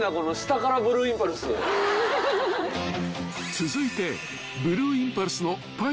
［続いて］